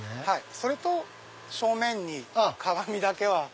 それと正面に鏡だけは。